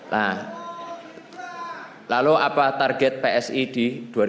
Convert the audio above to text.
nah lalu apa target psi di dua ribu dua puluh